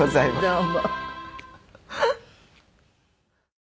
どうも。